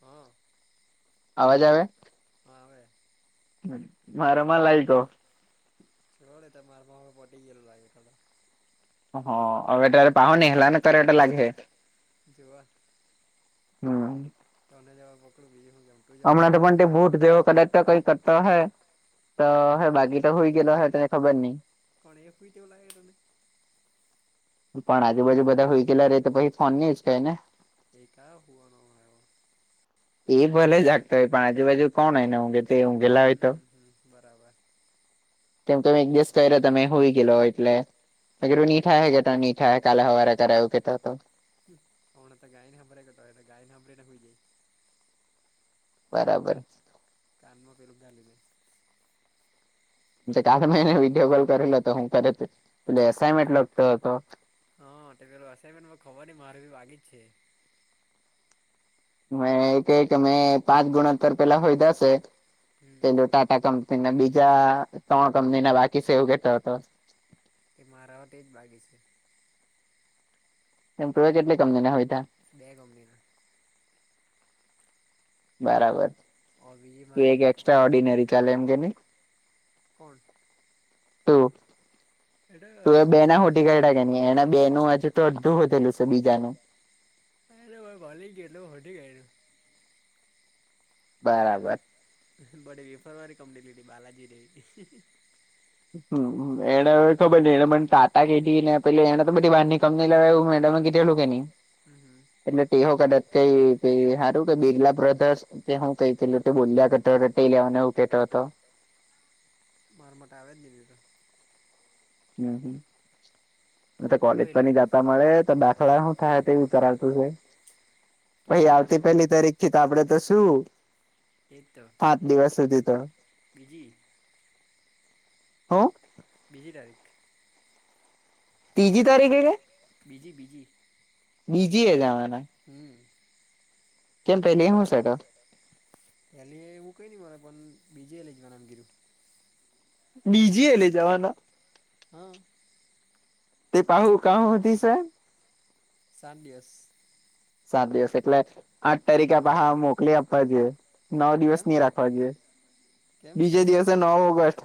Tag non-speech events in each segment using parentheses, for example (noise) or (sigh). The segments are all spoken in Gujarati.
હા અવાજ આવે હા આવેવે મારામાં લાઈકો જોડે માર મા માર પટી ગયેું લાગે હ હ એટ થોડા પાહની હલાને કર એટ લાગે જોવા હમ તને જ પકલું બીજી હોયમ હમણાં તો પણ તે બુ જેવો કદાચ તો કઈ કરતો હૈ તો હે બાકી તો હોય ગલો હૈ તને ખબર નહી કોણે ફઈ તેવ લાગે ત ને પણ આજુબાજુ બધા હઈ ગેલા ર રહે તો પી ફોન ની જ ક ને એ ક હવા નય એ ભલે જાગતતો હો પાણીજ બાજુ કોણ હોનેે ું જ હમ હમ બરાબર તેમમ તમે એક દિવસ કર્યા તમે હોઈ ગેલો એટલે મીઠા હે કેટ મીઠા હ કાલે હવા કરાવવું કે તો તો કોણ તો ગાયન હાબરે કટ હોય તો ગાય ના હંબરે ના હોઈ જાય બરાબર તાલમાં પેલા મેને કા મહિને વિડિયો કલ કરેલો હતો હું કરે તુ એનમેન્ટ લગતો હતો. હા તો પેલું અસાઇનમેન્ટ ખબર ન મારે બી વાગી જ છે. મે ક અમે પાંચ ગુણત્તર પેલા હોય દાશે હમ પે ટાટા કંપની બીજા ત્રણ કંપની ના બાકી છે, એવુ કેતો હતો. તે મારા માટે જ બાગે છે. એમ કેટલી કમની ના હોય, તા બે કંપનીના બરાબર ઓર બીજી એ મારે એક બી એસ્ટ્રા ઓર્ડિનરી ચાલે એમ કે નહી. કોણ તું એ બે એટલે ના ખોટી કર એના બે નું હજુ તો અડધું વધેલું છે બીજાનુ અરે ભાઈ ભલી ગેલું હોટીી ગયુ. બરાબર બડે વ વિફરકારી કંની લીધલી બલાાજી ર હ એને ખબર એને પણ તાતા કઢીને પે એને તો બધી વાર ની કમ લેવા મે તળુગેની હમ્મ હમ્મ એટલે ટેહો કદા કઈ સારું કે બિરલા બ્રધર્સ કે હુ, કઈ પેલું બોલ્યા લેવન એવું કેતો હતો. માર માટેટ આવે જ દીધુ તો હમ તો હમ તું તું કોલેજ કઈ પણ ન લેવાનું? જતા મળે તો બાથોડા શું થાય તે વિચારતું છે, તું પછ તો એમ આવતી પેલી તરી તો આપડે તો શું એજ તો સાત દિવસ સુધી તો બીજી હ બીજી તારીખ ત્રીજી તારીખે છે. બીજી બીજી બીજી એ જવાના હમ્મ કેમપ એલી એમ હ સાટ પેલી એવું કઈ નઈ મારે પણ બીજે લઈ જવા નામ ગીરુ બીજી એ લે જવાના હા તે પાહું ક હોતી સાહેબ સાડિસ સાત દિવસ એટલે આઠ તારીખે આપે નવ હા મોકલી આપવા જોઈએ. નવ કેમ દિવસ નહી રાખવા જોઈએ કેમ બીજે દિવસે નવ ઓગસ્ટ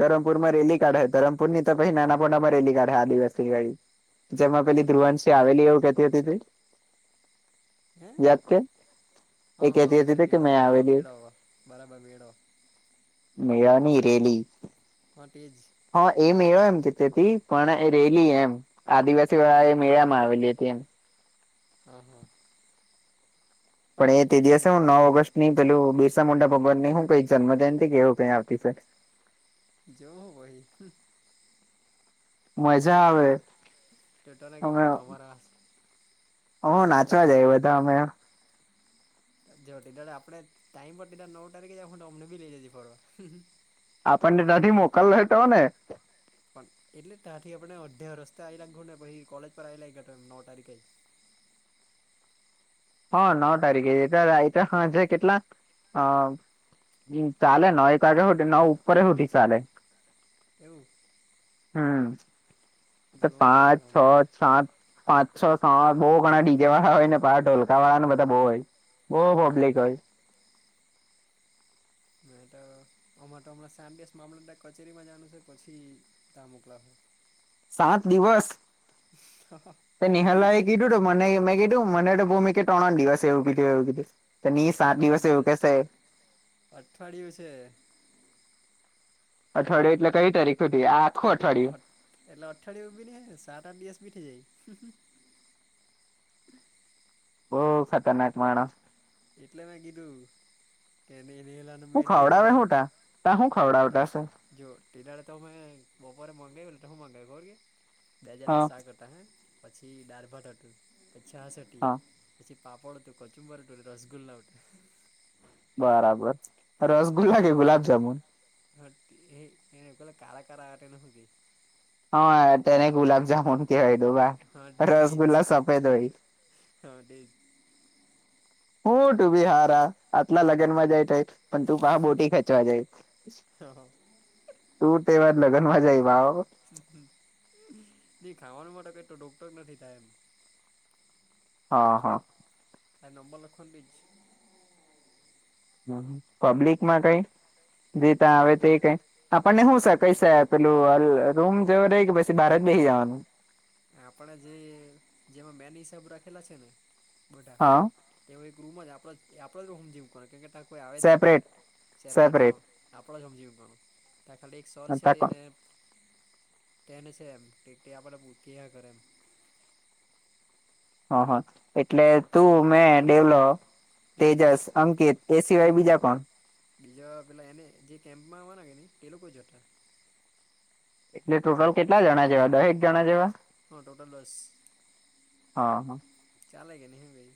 ધરમુરમાં રેલી કઢે ધરપુર ની તો પછી નાના પપોના માં રેલી કઢે આદવાસી ગડી જેમાં તોું પેલી ઠાનું ધ્રુવનસિહ આવેલી એવું કતી હતી તે હે ત કે એ હા હા આગળ કેતી કે મેળો મેં મેળો આવેલી મેળો બરાબર મેળો મેરાની રલી હટી જ હા એમ એ એમ તેથી પણ એ રેલી એમ આદિવાસી હમ એ મેળામાં આવેલી હતી એમ. હા હા પણ એ તે દિવસે જો હું નવ ઓગસ્ટ ની પેલું બિરસા મોટા ભગવાન ની હું કઈ જન્મ જયંતિ કેવ કઈ આવતી ફ જો હહી. મજજા જે ચટના કે મને અમારા હ અમર ત નાચવા સા જાય બધા અમે જો તે દાડે આપણે ટાઈમ નવ ટારીખે જ આવહું અમને બી લઈ જાજે ફરવા. આપણને તાથી મોકલહે તો ને. પણ એટલે ત્યાંથી આપડ ને અડધા રસ્તે આવી લાગ હુ ને પછી કોલેજ પર આવી લાયગા નવ તારીખે. હા નવ તારીખે એટ રાય ટ હાજે કેટલા અ હમ ચાલે નવ એક વાગે હોધી ન ઉપરે હોઠી ચાલે. જ એવું હમ જોવું પછી પાંચ અમે છ સાત પાંચ છો સાત બહુ ઘણા ડીજે વાળા હોય ને પાાર ઢોલકા વાળા ને બધા બહુ હોય. બહુ હમ પબ્લિક હમ હોય. મે તો અમા તો હમણાં સાત દિવસ મામલતદાર કચેરીમાં જવાનું છે પછી ટા મોકલાવહે. સાત દિવસ (unintelligible) તે નિહલા એ કીધું તુ મને મેં કીધું મને તો ભૂમિકે ત્રણ દિવસ એવું કીધું એવું કીધું તેની સાત ત્રણ દિવસે એવુ દિવસ કેસે. અઠવાડિયું છે. અઠવાડિયુ એટલે કઈ તારીખ હુઘી આ આખું અઠવાડિયું અઠ એટલે અઠવાડયુ બી નીહ સાત આઠ દિવસ બી થઈ જાય બહુ ખતરનાક માણહ એટલે મે કીધું કે (unintelligible) એલે હું મેડ ની ખવડાવે પડેમ હું તા તા હું ટા ખવડાવતા હશે જો તે દાડે તો મેં બપોરે મંગાવ્યું ને તો હું મંગાવ્યું ખબર કે બે જાતના હા શાક હ તા હે પછી ડાળભાટ હતું પછી છાસ હતી હા પછી પાપડ હતું કચુંબર હતું ને રસગુલ્લા હુટા. બરાબર રસગુલ્લા કે ખાવાનું ગુલાબ જામુન એ પે કારા કારા આવે તેને હું કેય? હા તેને ગુલાબ જામુન કહેવાય ડોબા હા તેજ રસગુલ્લા સફેદ હોય. હા તેજ. હું તું બી હારા આતલા લગ્ન માં જાય તોય. પણ તું પાહા બોટી ખેચવા જાય. હા તું તેવા જ લગન માં જાય વાવ નહી ખાવાનું માટે કઈ તો ડોક્ટર નથી તા એમ હા હા તા નંબર લખવાનો બી છ પબ્લિક માં કઈ દેતા આવે તે કોઈ કઈ આપણને હુ છે કઈ શ પેલું રોમ જેવું રહી કે પછી બાર જ બેસી જવાનું આપણે જે જેમાં મેન હિસાબ રાખેલા છે ને બધા હા તેઓ એક રૂમ જ આપડો આપણો જ રૂમ જેવું કો કે ત કોઈ આવે જ નહી સેપરેટ સેપરેટ હ આપણો જ રૂમ જેઓ ગણ તા ખાલી એક સર છેે ટે ને હા તેને છે એમ કે કે બો કેયા કરે એમ હ હા એટલે તું મેં દેવલો હમ તેજસ અંકિત એ સિવાય બીજા કોણ? બીજા પેલા એને જે કેમ્પમાં આવવાના કે ને એ લોકો જતા. એટલે ટોટલ કેટલા જણા જેવા દહેક જણા જેવા? હા ટોટલ દસ. હા હા ચાલે કે ની હ ભાઈ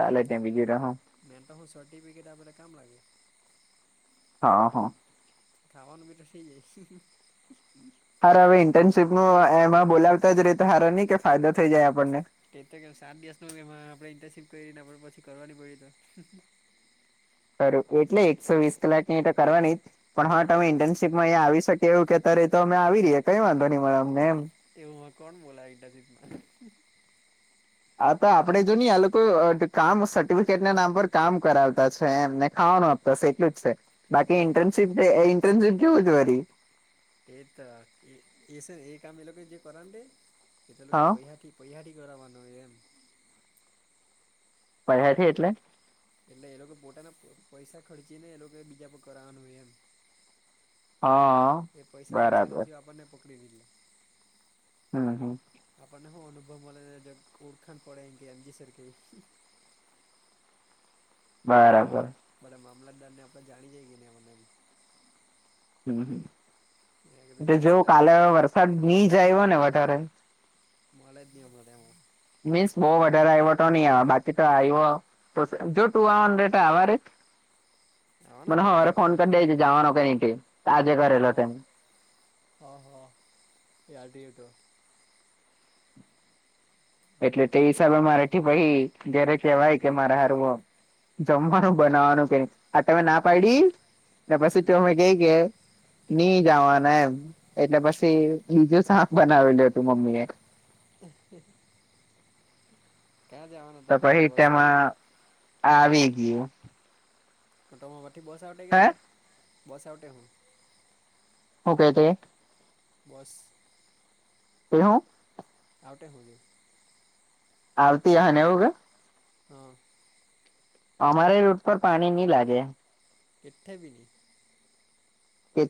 ચાલે ત્યાં બીજું ટા હુ મેન તો હું સર્ટીફિકેટ આપે તે કામ લાગે. હા હા ખાવનુ બી તો થઈ જાય. હાર હવે ઇન્ટર્નશીપ ન એમાં બોલાવતા જ રેતા સાર નહી કે ફાયદો થઈ જાય આપણને એ તો કે સાત દિવસ નમાં આપણે ઇન્ટર્નશીપ કરીને પછી કરવાની પડી તો ું એટલે એકસો વીસ કલાક ની તો કરવાની પણ હા તમે ઇન્ટર્નશીપમાં અહીંયા આવી શકે એવું કે અ્યારે એ તો અમે આવી રએે કઈ વાંધો નહી મા અમને એમ એવુંમાં કોણ બોલા ટભ આ તો આપડે જો નઈ આ લોકો કામ સર્ટિફિકેટ ના નામ પર કામ કરાવતા છે એમને ખાવાનું આપ બસ એટલું જ છે બાકી તે ઇન્ટર્નશીપ ઇન્ટર્નશીપ જેવું છેરી એ તો એ એસ એ કામ એ લોકો જે કરંત દે એ તો લોકો હ પૈસા ઠી પૈસાથી કરવાવાનુંો એમ બધ્યાથી એટલે એટલે એ લોકો પોતાના પૈસા ખર્ચી ને એ લોકો બીજા પર કરવાવાનું હો એમ હ એ પૈસા બચા બરાબર હજુ આપણને પકડી દી લે હમ હમ આપણને હું અનુભવ મળેને ઓળખાણ પડે એ કે એમજી સર કે બરાબર બરા મામલતદાર ને આપણે જાણી જઈએ ને મને હમ મેં કીધું હમ એટ ચાલ જોવ તો કાલે પછી વરસાદ નહી જાય હોય ને વધારે માળ હતી આપમ મીન્સ બહ વધારે આવ્યો તો નહી આવે બાકી તો આવ્યો જો ટુ હંડડ આવા ર (inaudible) આવવાનો જ મને ને તો હરે કાલે ફોન કરી દઈ જાવા ન કે આજે કરરેલો હા ટમ હા હા ડી એ હતો એટલે તે હિસાબે મારા ભાઈ જ્યારે કહેવાય કે મારે હરવો જમવાનું બનાવાનું કે ન આ તમે ના પાડી ને પછી હમ ત અમે કઈ કે નહી જવાના એમ એટલે પછી બીજું સાાપ બનાવેલું હતું મમ્મી એ હ હ ક્યાં જવાનું તો પછી તેમાં આવી ગયું. મોટોમાં વઠી બસ આ આવટે કે હે આજ બસ આ આવટે હું હ ક તે બસ એ હ આટે હોઉજું. આવતી હ એવું કે હા અમારે રૂટ પર પાણી નહી લાગે કેથેબ ન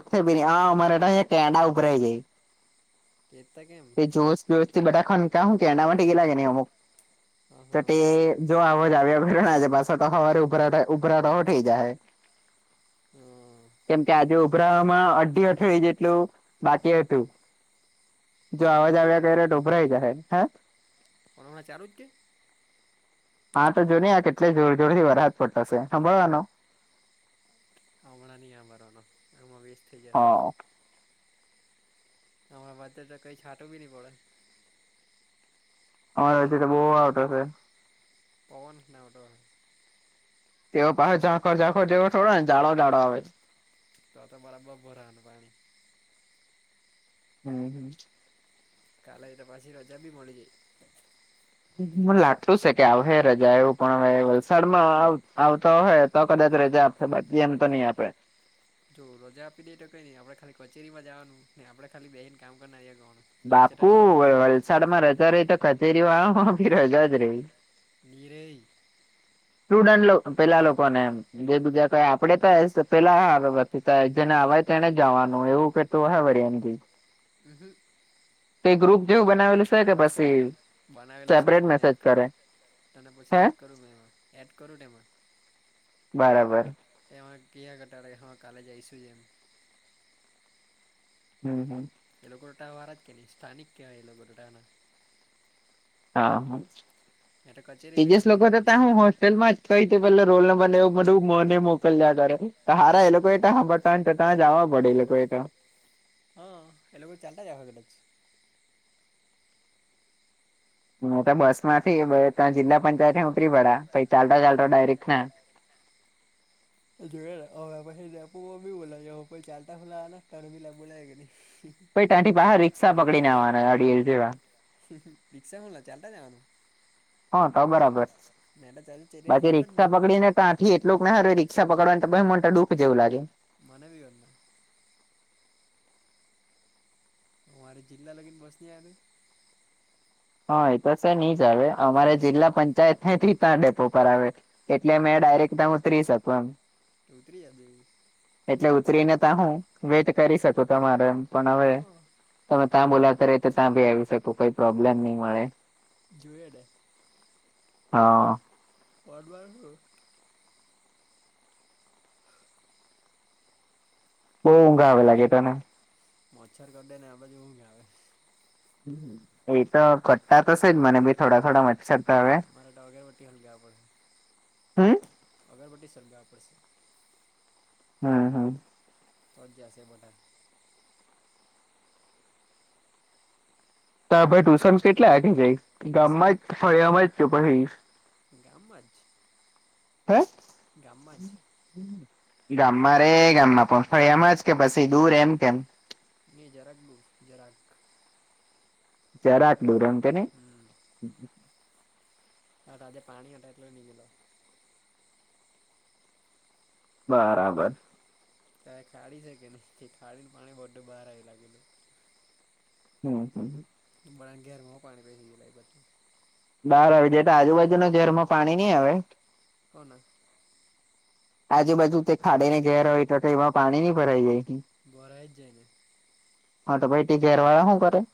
કે બ હ અરે એટ એ કેડા ઉપ હઈ જાય કેતા કેમ જોસસથી બધા ખ ક શું કે એના માટે કે લાગે નહી અમુક હા તો હા તે જો આવો જ આવ્યા ભને આજે પાસેો તો સવારે ઉભરા ઉભરા રહોઠઈ જાય. હા કેમ કે આજે ઉભરામાં અઢી અઠડી જેટલું બાકી હતું. જો એટલે અવાજ થઈ આવ્યા જાય કર ડઢોભરાઈ જાય હ કોના ચારુંજ કે હા તો જોુન આ કેટલે જોર જોર થી વરાહદ પતાશે સાંભળવાનો હણા ન આ ભવાનું એમાં હા હરા બ તો કઈ છાંટું બી નઈ પડે હા હછી તો બહુ આવતો હશે. પવન નાવટય તે પાસે ઝંખર ઝંકર જેવાોડો ને જાડો જાડો આવે. તો તો બરાબર ભરાનું પાણી. હમ હમ. કાલે તો પાછી રજા બી મળી જાય. હને લાગતું છે કે હ રજા એવું પણ હવે વલસાડમાં આવતા હોય. તો કદાચ રજા આપે બાકી એમ તો નહી આપે. જો રજા આપી દે તો કઈ ન આપણે ખાલી કચેરીમાં જવાનું ને આપણેેા બેસીને કામ કરનાર ગવાનું. લેક્ચર તો બાપુ નહીં બગડે વલસાડમાં રજા રહી તો કચેરી વાળામાં ભી રજા જ રહે. નિરેઈ. સ્ટુડન્ટ પેલા લોકોને એમ. જે બીજા કઈ આપડે તો પેલા જેને અવાય તેને જવાનું એવું કાઈ. તો હાવાય એમથી. હમ હમ. તે ગ્રુપ જેવું બનાવેલું છે કે પછી. બનાવેલું છે સેપરેટ તને એડ મેસેજ કરું કરે તને પછી હે એડ કરું મે એમાં એડ કરું એમા. બરાબર. એમાં કીઆ ઘટાડે હા કાલે જઈશું એમ. હમ હમ. એ લોકોગા વારત કે નહી સ્થાનિક ક્યા એ લોકોટા. હા હા. મેં તો કચેરી બી એજસ નહીં લોકો જોયેલી હતા હતી ત હું હોસ્ટેલ માં જ કઈ ત પેલે રોલ નંબર હા એવું બધુ. મોને મોકલ કર હારા એ લોકો ત જવા પડે એ લોકો એતો. હા એ લોકો ચારટા આવે કદાજ. હ તો બસ માંથી ત્યા જિલ્લા પંચાયત ઉતરી પડ્યા પછ ચાલતા ચાલતા ડાયરેક્ટ ના ચલ જોઈએ અ પછી લખવુ જોપી બોલા ચાલતા (unintelligible) તંથી બહાર રી્ષા પકડીનેવાના અડિ જેવા. રિક્ષા મા ચાલટા જવાનુ. હા તો બરાબર મેં તો ચાલ ચેરીયા બાકી ચાલતો જ રિક્ષા ગયો પકડીને કંથી એટલોક ને હરે રી્ક્ષા પકડવા ને મને દુઃખ જેવું લાગે. મને બી (unintelligible) અમારે જિલ્લા લગીન બસને યાદે હા એ તો સર નહી જ આવે અમારે જિલ્લા પંચાયત હ ત્ર્રી તણ ડેપો પર આવે એટલે મેં ડાયરેક્ટ તમે ઉતરી શકું એમ ઉતરી હકી. એટલે ઉતરીને ત હું વેટ કરી શકું તમારે એમ પણ હવે હા તમે ત્યાં બોલાવતા રે તો ત્યાં ભી આવી શકો કોઈ પ્રોબ્લેમ નહી મળે. જુએતે. હા. પવાદ બોલુ. બહુ ઊંઘ આવે લાગે તને. મચ્છર કઢે ને એમજ ઉગે આવે. એ તો કટતા તોશે જ મને બી થોડા થોડા મચ્છર તો હવે. મારેટ અગરવટી હલગ પડશે હમ અગરવટી સળગાવવા પડશે. હા હમ. તોજશે માટો. ત ભાઈ ટુશન કેટલા લી જાય સાત ગામમાં ફળિયામાં જ પછી. ગામમાં જ. હે. ગામમાં જ ગામમાં રે ગામમાં પહફાળ એમજ કે પછી દૂર એમ કેમ. હી જરાક બુ જરાક. જરાક દુંરમ કેને હમ હા રાજજે પાણી હટાઇટલેલો નિની ગે બરાબર તારે ખાડી શકે નહી ખાડીને પાણી બધું બહાર આવી લાગેલું હમ હમ બડાા ગરમ પાણી પે એ લ પતી બહાર આવે જે તો આજુબાજુના ઝેરમાં પાણી નહી આવે હ ના આજુબાજુ તે ખાડી ને ઘેર હોય તો કે એમાં પાણી ન ભરાઈ ગાય બોરા જઈને હા તો ભાઈ તે ઘેરવાયા હું કરે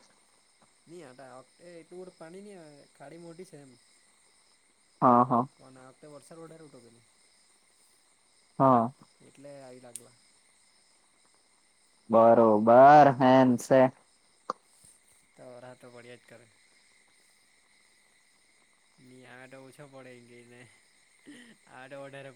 નઈ આવખતે એટલુંર પાણી નહી ખાડી મોટી છે એમ હા હા (unintelligible) હા એટલે આવી લાગલા બરોબર હેન છે તો રહ તો બળિયા જ કરે ની આડ ઓછો પડે એ ગઈ ને આઠ વધારે